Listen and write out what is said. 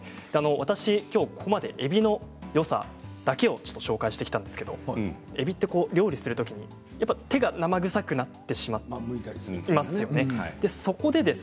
私、きょうここまでえびのよさだけを紹介してきたんですけどえびって料理するときに手が生臭くなってしまいますよね。